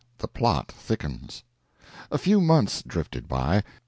THE PLOT THICKENS. A few months drifted by.